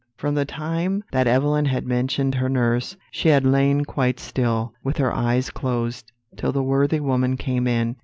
"From the time that Evelyn had mentioned her nurse, she had lain quite still, with her eyes closed, till the worthy woman came in.